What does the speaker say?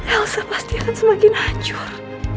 elsa pasti akan semakin hancur